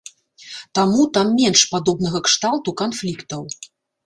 Таму там менш падобнага кшталту канфліктаў.